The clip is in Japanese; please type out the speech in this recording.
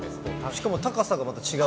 しかも高さがまた違う。